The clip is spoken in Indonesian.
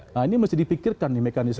nah ini mesti dipikirkan nih mekanisme